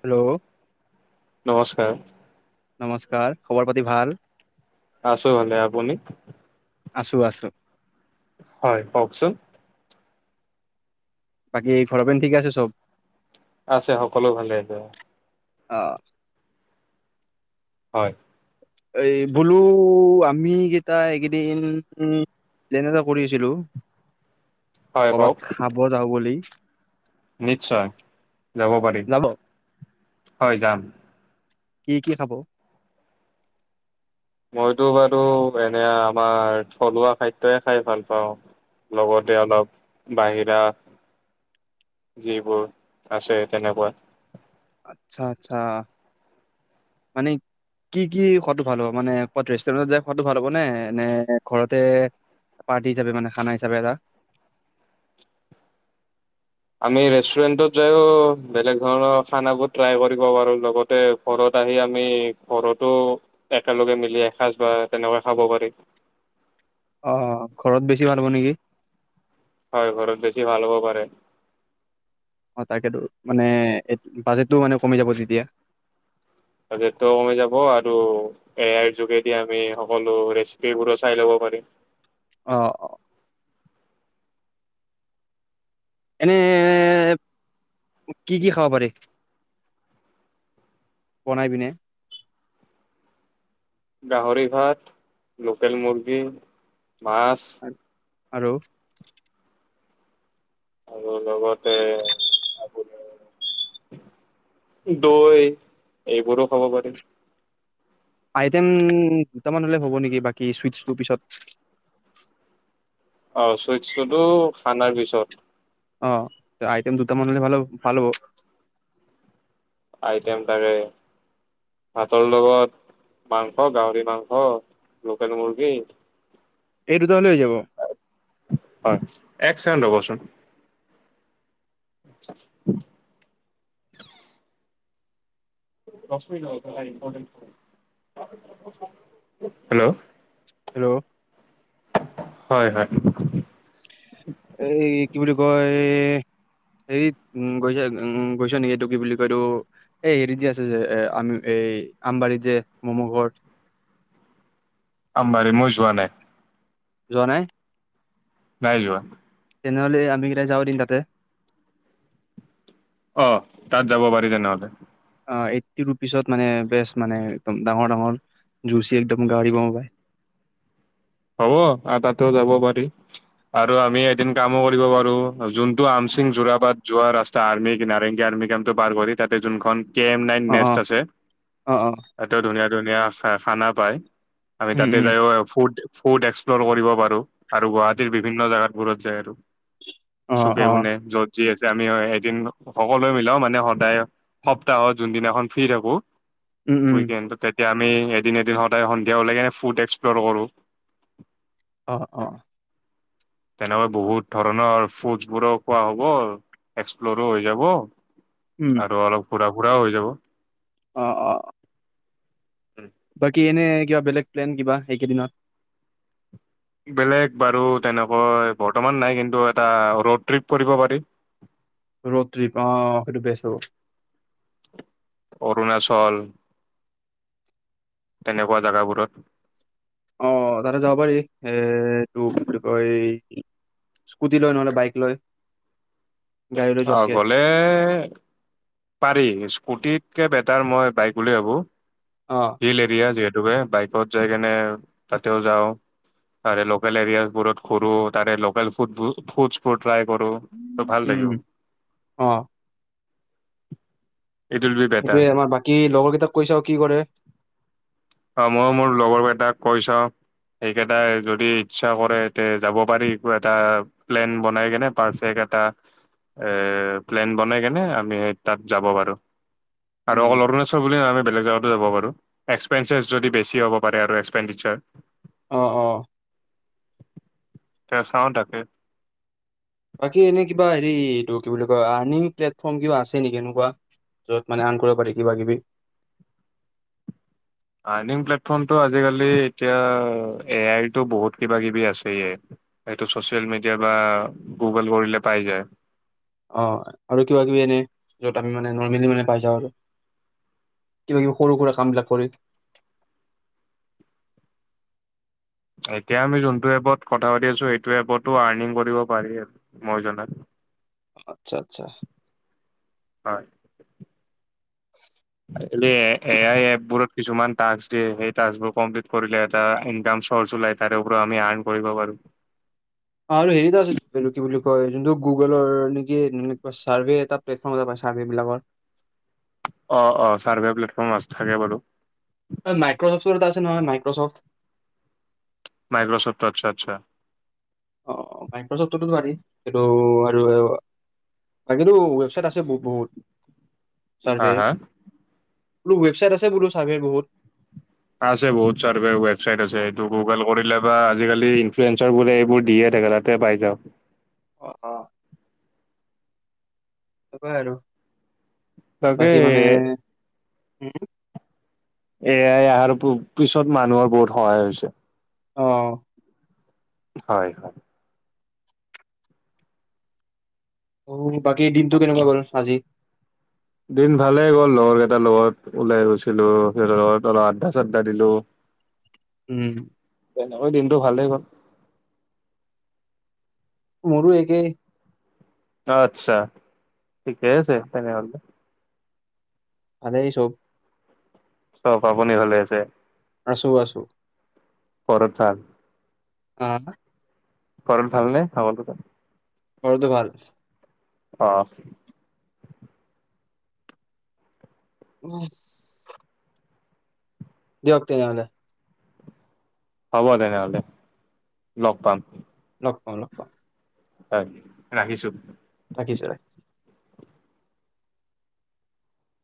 Hello, নমস্কাৰ, নমস্কাৰ খবৰ পাতি ভাল? আছো ভাললে আপুনি? আছোঁ-আছোঁ, হয়, কওকচোন? বাকী ঘৰৰ ফালে ঠিক আছে চব। আছে সকলো ভালে। অ', হয়, এ বোলো আমি কেইটা এইকেইদিন প্লেন এটা কৰি আছিলো। হয় কৰ'বাত কওক খাব যাওঁ বুলি। নিশ্চয় যাব পাৰিম, যাব হয়, যাম। কি-কি খাব। মইতো বাৰু এনে আমাৰ থলুৱা খাদ্যয়ে খাই ভাল পাওঁ, লগতে অলপ বাহিৰা যিবোৰ আছে তেনেকুৱা। আচ্ছা-আচ্ছা, মানে কি-কি খোৱাটো ভাল হ'ব, মানে ক'বাত ৰেষ্টুৰেণ্টত যাই খোৱাটো ভাল হ'ব নে-নে ঘৰতে পাৰ্টি হিচাপে মানে খানা হিচাপে এটা। আমি ৰেষ্টুৰেণ্টত যায়ো বেলেগ ধৰণৰ খানাবোৰ ট্ৰাই কৰিব পাৰোঁ, লগতে ঘৰত আহি, আমি ঘৰতো একেলগে মিলি আহে সাজ বা তেনেকৈ খাব পাৰি। আহ, ঘৰত বেছি ভাল হ'ব নেকি? হয়, ঘৰতৰত বেছি ভালবও পাৰে। তাকো মানে বাজেটটো মানে কমি যাব তেতিয়া। কমি যাব আৰু এয়াই যোগেদি আমি সকলো ৰেচিপিবোৰো চাই ল'ব পাৰিম। অ' অ' এনে কি-কি খাব পাৰি বনাই পিনে। গাহৰি ভাত, লোকেল মৰ্গী, মাছ, আৰু আৰু লগতে আপুনি দৈ এইবোৰো খাব পাৰি। আইটেম দুটামান হ'লে হ'ব নেকি? বাকী চুইটছটো পিছত অ' চুইট-চুটো খানাৰ পিছত। অ' আইটেম দুটা মানে ভাল-ভাল হব। তাকে, ভাতৰ লগত মাংস, গাহৰি মাংস, লোকেল মুৰ্গী, এইটো হয়, এক কেণ্ড ৰব চোন। ত [unintelligible] [unintelligible] হেল্ল', হেল্ল', হয়-হয়, এই কি বুলি কয়? হেৰিত উ, গৈছ উ, গৈছ নেকি? এইটো কি বুলি কয়তো এই হেৰিত যে আছে যে আমি এই আমবাৰীত যে ম'ম' ঘৰ। আমবাৰী মই যোৱা নাই। যোৱা নাই? নাই যোৱা। তেনেহ'লে আমি কেইটা যাওঁ এদিন তাতে। অ', তাত যাব পাৰি তেনেহ'লে। অ' এইট্টি ৰুপিচত মানে, বেষ্ট মানে, একদম ডাঙৰ ডাঙৰ জুচি, একদম গাৰ্লিক ম'ম' পায়। হ'ব, আৰু তাতো যাব পাৰি, আৰু আমি এদিন কামো কৰিব পাৰোঁ‌। যোনটো আমচিং জোৰাবাদ। যোৱা ৰাস্তা আৰ্মি, নাৰেংগী আৰ্মি কেম্পটো পাৰ কৰি, তাতে যোনখন কে এম নাইন অ অ নেষ্ট, আছে অ অ এটো ধুনীয়া ধুনীয়া খা, খানা পায়। আমি উম তাতে উম যায় [unintelligible] ফুড ফুড এক্সপ্ল'ৰ কৰিব পাৰোঁ‌ আৰু গুৱাহাটীৰ বিভিন্ন জাগাত ঘৰত যায় আৰু অ চুকে অ কোণে, য'ত যি আছে আমি এদিন সকলোৱে মিলাও মানে সদায় সপ্তাহত যোনদিনাখন ফ্ৰী থাকো উম উম শি [unintelligible] কেন্ত তে এতিয়া আমি এদিন এদিন সদায় সন্ধিয়াওলাইকেনে ফুড এক্সপ্ল'ৰ কৰোঁ অ অ। তেনেকৈ বহুত ধৰণৰ ফুডচ বোৰো খোৱা হব এক্সপ্লৰো হৈ যাব। উম আৰু অলপ ফুৰা। ফুৰাও হৈ যাব। অ অ। বাকি এনে। কিবা বেলেগ প্লেন কিবা এইকেইদিনত। বেলেগ বাৰু তেনেকৈ বৰ্তমান নাই কিন্তু এটা ৰোড ট্ৰিপ কৰিব পাৰি। ৰোড ট্ৰিপ আহ সেইটো বেচ হ'ব। অৰুণাচল তেনেকুৱা জেগাবোৰত। অ তাতে যাব পাৰি এ তোৰ বিষয় এই স্কুটি লৈ ন বাইক লৈ । আহ গলে । পাৰি স্কুটিতকে বেটাৰ মই বাইক উলিয়াব অ । হিল এৰিয়া যে। বাইকত যাই কেনে তাতেও যাওঁ তাৰে লোকেল এৰিয়া বোৰত ঘুৰো তাৰে লোকেল ফুড ফুডচ বোৰ। ট্ৰাই কৰো ত ভাল উম লাগিব। অ ইট উইল বি সেইটোৱে‌ বেটাৰ আমাৰ বাকী লগৰ কেইটাক কৈছো আৰু কি কৰে। অ ময়ো মোৰ লগৰকেইটাক কৈছা সেইকেইটাই যদি ইচ্ছা কৰে তে যাব পাৰি এটা প্লেন বনাই কেনে পাৰফেক্ট এটা প্লেন বনাই কেনে আমি সেই তাত যাব পাৰো। আৰু উম অকল অৰুণাচল বুলি আমি বেলেগ জেগাত। [unintelligible] এক্সপেঞ্চেছ যদি বেছি হ'ব পাৰে আৰু এক্সপেণ্ডিচাৰ। অ অ। তো চাওঁ তাকে। বাকী এনে কিবা হেৰি এইটো কি বুলি কয় আৰ্নিং প্লেটফৰ্ম কিবা আছে নেকি এনেকুৱা যত মানে আন কৰিব পাৰি কিবা কিবি। আৰ্নিং প্লেটফৰ্মটো আজিকালি এতিয়া এ আইতো বহুত কিবা কিবি আছে ইয় এইটো ছচিয়েল মিডিয়া বা গুগল কৰিলে পাই যায়। অ আৰু কিবা কিবি এনে য'ত আমি মানে পাইজাওগে আৰু কিবা কিবি সৰু সুৰা কাম বিলাক কৰি। এতিয়া আমি যোনটো এপত কথা পাতি আছোঁ সেইটো এপতো আৰ্নিং কৰিব পাৰি মই জনাত। আচ্ছা আচ্ছা। হয়। এনেই এয়াই ই এপবোৰত। কিছুমান টাস্ক দিয়ে সেই টাস্কবোৰ কমপিলিত কৰিলে এটা ইনকম চলচ ওলাই তাৰে পৰা আমি আৰ্ণ কৰিব পাৰো। আৰু হেৰিটা আছে কি বুলি কয় যোনটো গুগলৰ নেকি চাৰ্ভে এটা প্লেটফৰ্ম এটা প চাৰ্ভে বিলাকৰ। অ অ চাৰ্ভে প্লেটফৰ্ম আ থাকে বাৰু। মাইক্ৰচফ্টৰত আছে নহয় মাইক্ৰচফ্ট। মাইক্ৰ'চফ্ট আচ্ছা আচ্ছা। অ মাইক্ৰচফটো পাৰি এইটো আৰু বাকী ৱেবচাইট আছে টো বহুত। হা চাৰ্ভেৰ হা। বোলো ৱেবছাইট আছে বোলো ছাৰ্ভে বহুত। আছে বহুত চাৰ্ভে টৱেৱেবচাইট আছে এটো গুগল কৰিলে বা আজিকালি ইনফ্লয়েঞ্চৰবোৰে এইবোৰ দিয়ে থাকে তাতে পাই যাওঁক। অ! তবে আৰু তাকে বাকী মানে [unintelligible] এয়াই অহাৰ পিছত মানুহৰ বহুত সহায় হৈছে। অ' হয়! হয়! অ' বাকী দিনটো কেনেকুৱা গ'ল আজি? দিন ভালেই গ'ল, লগৰ কেইটাৰ লগত ওলাই গৈছিলো। সিহঁৰ লগত অলপ আধ্দা চাদ্দা দিলোঁ। উম! তেনেকৈ দিনটো ভালেই গ'ল। মোৰো একেই। আচ্ছা থিকেই আছে তেনেহ'লে। আনেই চব। চ পাবনি ভালে আছে? আছো আছো। পৰঠা। [unintelligible] পৰ ভাল নে হ দত? ঘৰটো ভাল। অ' উম! দিয়ক তেনেহ'লে। হ'ব তেনেহ'লে, লগ পাম। লগ পাওঁ! লগ পাওঁ! হয় ৰাখিছো। ৰাখিছো ৰাখিছো।